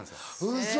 ウソ。